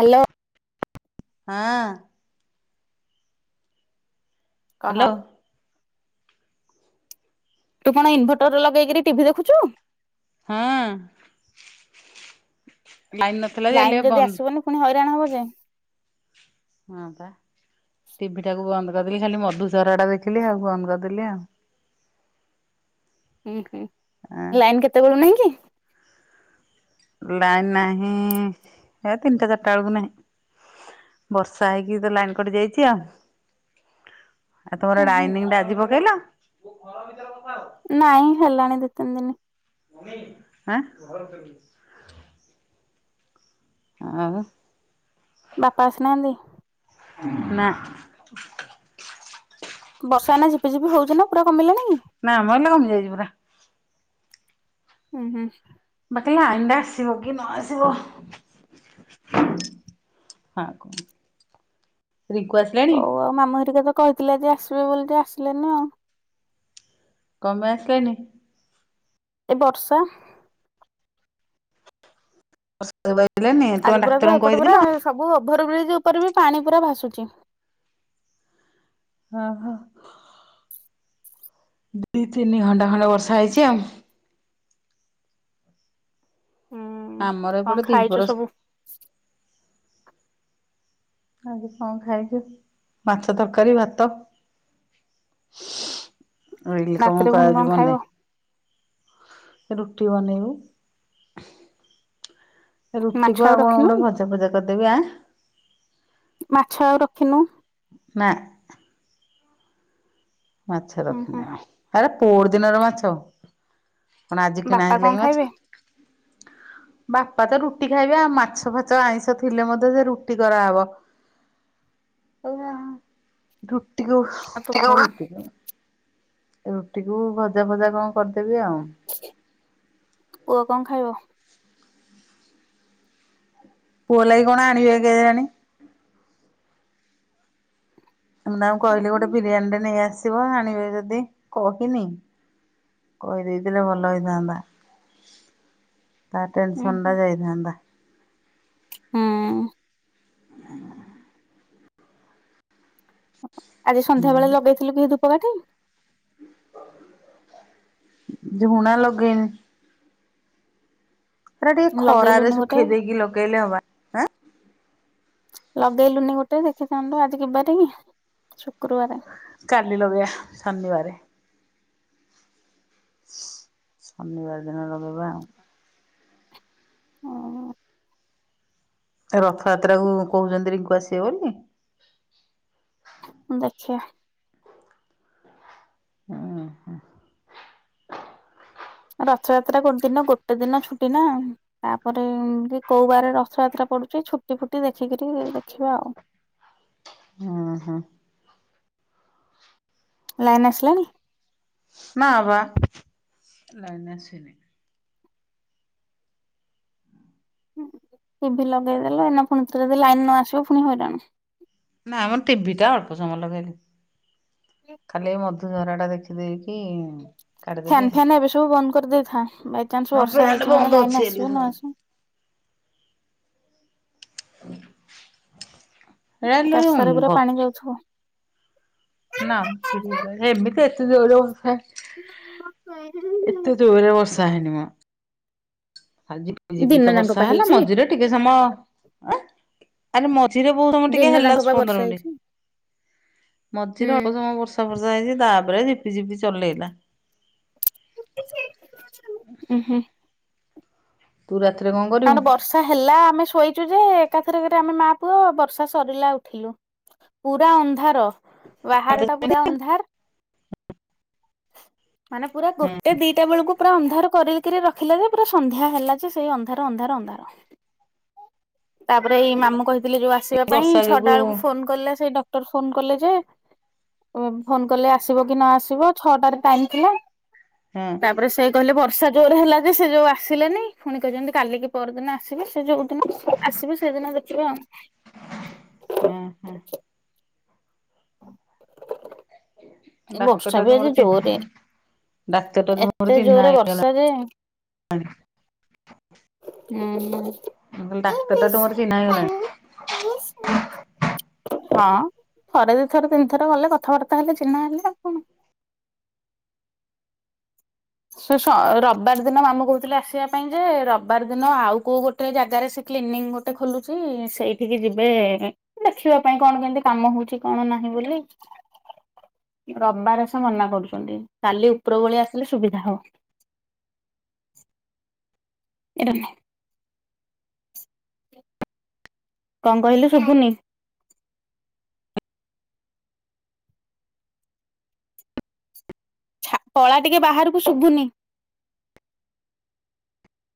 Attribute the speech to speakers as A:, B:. A: Hello
B: ହଁ hello
A: କହ? ତୁ କଣ ଇନଭର୍ଟର ଲଗେଇକିରି ଟିଭି ଦେଖୁଚୁ?
B: ହଁ ଲାଇନ୍ ନ
A: ଲାଇନ ଯଦି ଆସିବନି ପୁଣି ହଇରାଣ ହବ ଯେ।
B: ହଁ ପା ଟିଭି ଟାକୁ ବନ୍ଦ କରିଦେଲି ଖାଲି ମଧୁଝରା ଟା ଦେଖିଲି ଆଉ ବନ୍ଦ କରିଦେଲି ଆଉ।
A: ଉଁ ହୁଁ ଲାଇନ୍ କେତେବେଳୁ ନାହିଁ କି?
B: ଲାଇନ୍ ନାହିଁ ଏରା ତିନିଟା ଚାରିଟା ବେଳୁକୁ ନାହିଁ। ବର୍ଷା ହେଇକି ତ ଲାଇନ୍ କଟି ଯାଇଚି ଆଉ। ଆଉ ତମର
A: ହୁଁ ହୁଁ
B: ଡାଇନିଂ ଟା ଆଜି ପକେଇଲ?
A: ନାଇଁ ହେଲାଣି ଦି ତିନି ଦିନି।
B: ଆଁ? ଆଉ
A: ବାପା ଆସିନାହାନ୍ତି?
B: ନାଁ।
A: ବର୍ଷା ଏଇନା ଝିପିଝିପି ହଉଚି ନା ପୁରା କମିଲାଣି?
B: ନା ମ ଏଇନା କମି ଯାଇଚି ପୁରା।
A: ଉଁ ହୁଁ।
B: ବାକି ଲାଇନ୍ ଟା ଆସିବ କି ନ ଆସିବ। ହଁ ଆଉ କଁ ରିଙ୍କୁ ଆସିଲାଣିି?
A: ହଉ ଆଉ ମାମୁଁ ହେରିକା ତ କହିଥିଲେ ଯେ ଆସିବେ ବୋଲି ତୁ ଆସିଲୁନୁ ଆଉ।
B: କଣ ପାଇଁ ଆସିଲେନି?
A: ଏ ବର୍ଷା।
B: ଔଷଧ ପାଇିଲାନି
A: ଆଜି
B: ତମେ
A: ପୁରା ତ
B: ଡାକ୍ତରଙ୍କୁ
A: ଏପଟେ ପୁରା
B: କହିଥିଲ।
A: ସବୁ ଓଭର ବ୍ରିଜ୍ ଉପରେ ବି ପାଣି ପୁରା ଭାସୁଛି।
B: ହଁ ହ। ଦି ତିନି ଘଣ୍ଟା ଖଣ୍ଡେ ବର୍ଷା ହେଇଛି ଆଉ।
A: ହୁଁ
B: ଆମର
A: କଣ
B: ଏପଟେ
A: ଖାଇଛ
B: ଦିପର
A: ସବୁ
B: ଆଜି କଣ ଖାଇଚୁ? ଏଇନେ କଣ
A: ରାତିରେ ପୁଣି ଖାଇବ
B: କରିବନି?
A: ମାଛ
B: ରୁଟିକୁ ଆଉ କଣ
A: ରଖିନୁ
B: ଗୋଟେ ଭଜା ଫଜା କରିଦେବି।
A: ମାଛ ଆଉ ରଖିନୁ।
B: ନା। ମାଛ
A: ହୁଁ ହୁଁ
B: ରଖିନି ଆଉ। କଣ ଆଜି କିଣା
A: ବାପା କଣ
B: ହେଇଥିଲା କି ମାଛ?
A: [inaudible]
B: ବାପା ତ ରୁଟି ଖାଇବେ। ଆଉ ମାଛ ଫାଛ ଆଇଁଷ ଥିଲେ ମଧ୍ୟ ସେ ରୁଟି କରାହବ।
A: [inaudible]
B: ରୁଟିକୁ
A: ଖାଇବେ?
B: [unintelligible] ରୁଟିକୁୁ ଭଜା ଫଜା କଣ କରିଦେବି ଆଉ।
A: ପୁଅ କଣ ଖାଇବ?
B: ପୁଅ ଲାଗି କଣ ଆଣିବେ କେଜାଣି? ମୁ ତାଙ୍କୁ
A: ହୁଁ
B: କହିଲି ଗୋଟେ ବିରିୟାନୀଟେ ନେଇ ଆସିବ, ଆଣିବେ ଯଦି କହନି। କହି ଦେଇଥିଲେ ଭଲ ହେଇଥାନ୍ତା ତା ଟେନସନଟା ଯାଇଥାନ୍ତା।
A: ହୁଁ। ଆଜି ସନ୍ଧ୍ୟା ବେଳେ ଲଗେଇଥିଲୁ କି ଧୂପକାଠି?
B: ଝୁଣା ଲଗେଇନି। ସେଟା ଟିକେ ଖରାରେ
A: ଲଗେଇଲୁନି ଗୋଟେ
B: ସୁଖେଇ ଦେଇକି ଲଗେଇଲେ ହବା।
A: ଲଗେଇଲୁନି ଗୋଟେ ଦେଖିଥାନ୍ତୁ ଆଜି କିି ବାରେ କି?
B: କାଲି ଲଗେଇବା ଶନିବାରେ। ଶନିବାର ଦିନ ଲଗେଇବା।
A: ହଁ।
B: ରଥଯାତ୍ରାକୁ କହୁଚନ୍ତି ରିଙ୍କୁ ଆସିବେ ବୋଲି।
A: ଦେଖିଆ।
B: ହୁଁ ହୁଁ।
A: ରଥଯାତ୍ରା ଗୋଟେ ଦିନ। ଗୋଟେ ଦିନ ଛୁଟି ନା। ତା ପରେ ଏ କୋଉ ବାରେ ରଥଯାତ୍ରା ପଡୁଛି। ଛୁଟି ଫୁଟି ଦେଖିକରି ଦେଖିବା ଆଉ।
B: ହଁ ହଁ।
A: ଲାଇନ୍ ଆସିଲାଣିି?
B: ନାଁ ବା।
A: ଟିଭି ଲଗେଇଦେଲ ଏଇନା ପୁଣିଥରେ ଯଦି ଲାଇନ ନ ଆସିବ ପୁଣି ହଇରାଣ।
B: ନାଇଁ ମ ଟିଭି ଟା ଅଳ୍ପ ସମୟ ଲଗେଇଲି। ଖାଲି ମଧୁଝରାଟା ଦେଖିଦେଇକି କାଢିଦେଲି
A: ଫ୍ୟାନ୍
B: ଆଉ।
A: ଫ୍ୟାନ୍ ଏବେ ସବୁ ବନ୍ଦ କରିଦେଇଥା। ବାଇଚାନ୍ସ୍
B: ହଁ
A: ବର୍ଷା
B: ଫ୍ୟାନ
A: ହେଇଛି ମାନେ
B: ବନ୍ଦ ଅଛି
A: ଲାଇନ ଆସିବ ନ
B: ହେଲେ
A: ଆସିବ।
B: ରଲୁ ଗ
A: ଯାଉଛ
B: ନା ଏବେ ତ ଏତେ ଜେର ବର୍ଷା ଏତେ ଜୋରରେ ବର୍ଷା ହେଇନି ମ ଆଜି ଏବେ
A: ଦିନ
B: ତ
A: ଯାଙ୍କ ପା
B: ବର୍ଷା ହେଲା
A: ହେଇଛି
B: ମଝିରେ ଟିକେ ସମୟ ଅଁ ଆରେ ମଝିରେ ବହୁତ ଟିକେ
A: ଦିନ
B: ହେଲା
A: ଯାଙ୍କ ପା
B: ଦଶ
A: ବର୍ଷା
B: ପନ୍ଦର ମିନିଟି
A: ହେଇଛି
B: ମଝିରେ
A: ହୁଁ।
B: ଅଳ୍ପ ସମୟ ବର୍ଷା ବର୍ଷା ହେଇଛି ତାପରେ ଝିପି ଝିପି ଚଲେଇଲା
A: ହୁଁ ହୁଁ
B: ତୁ ରାତିରେ କଣ କରିବୁ
A: ଆମର ବର୍ଷା ହେଲା ଆମେ ଶୋଇଛୁ ଯେ ଏକାଥର କରେ ଆମେ ମା ପୁଅ ବର୍ଷା ସରିଲା ଉଠିଲୁ ପୁରା ଅନ୍ଧାର ବାହାର ଟା ପୁରା ଅନ୍ଧାର ମାନେ ପୁରା
B: ହୁଁ
A: ଗୋଟେ ଦିଟା ବେଳକୁ ପୁରା ଅନ୍ଧାର କରି ରାତିରେ ରଖିଲା ଯେ ପୁରା ସନ୍ଧ୍ୟା ହେଲା ଯେ ସେ ଅନ୍ଧାର ଅନ୍ଧାର ତାପରେ ଏଇ ମାମୁ କହି ଦିଲ୍ଲୀ ରୁ
B: ଏ
A: ଆସିବା ପାଇଁ
B: ବର୍ଷା
A: ଛଅଟା
B: ଯୋଗୁ
A: ବେଳକୁ ଫୋନ୍ କଲେ ସେଇ ଡକ୍ଟର ଫୋନ୍ କଲେ ଯେ ଫୋନ୍ କଲେ ଆସିବ କି ନଆସିବ ଛଅଟାରେ ଟାଇମି ଥିଲା
B: ହଁ
A: ତାପରେ ସେ କହିଲେ ବର୍ଷା ଜେରରେ ହେଲା ଯେ ସେ ଯୋଉ ଆସିଲେନି ପୁଣି କହିଛନ୍ତି କାଲିକି ପରଦିନ ଆସିବେ ସେ ଯୋଉ ଦିନ ଆସିବେ ସେଇଦିନ ଦେଖିବା ଆଉ
B: ହୁଁ ହୁଁ
A: ଏ
B: ଡାକ୍ତର
A: ବର୍ଷା
B: ଟା
A: ବି
B: ତୁମର
A: ଆଜି
B: ଚି
A: ଜୋରେ
B: ଡାକ୍ତର ଟା ତୁମର
A: ଏତେ
B: ଚିହ୍ନା
A: ଜୋରେ
B: ହେଇଗଲା
A: ବର୍ଷା ଯେ ହୁଁ ହୁଁ
B: ଡାକ୍ତର ଟା ତ ମୋର ଚିହ୍ନା ହେଇଗଲାଣି
A: ମିସ୍ ମିଆଚେ ହଁ ଥରେ ଦି ଥର ତିନି ଥର ଗଲେ କଥାବାର୍ତ୍ତା ହେଲେ ଚିହ୍ନା ହେଲେ ଆଉ କଣ ସେ ରବିବାର ଦିନ ମାମୁଁ କହୁଥିଲେ ଆସିବା ପାଇଁ ଯେ ରବିବାର ଦିନ ଆଉ କୋଉ ଗୋଟେ ଗୋଟେ ଜାଗାରେ ସେ କ୍ଲିନିଙ୍ଗି ଗୋଟେ ଖୋଲୁଛି ସେଇଠିକି ଯିବେ ଦେଖିବା ପାଇଁ କଣ କେମତି କାମ ହେଉଛି କଣ ନାହିଁ ବୋଲି ରବିବାରେ ତ ମନା କରୁଛନ୍ତି କାଲି ଉପର ବଳି ଆସିଲେ ସୁବିଧା ହବ ଏଇଟାନେ କଣ କହିଲେ ଶୁଭୁନି ଛ ପଳା ଟିକେ ବାହାରକୁ ଶୁଭୁନି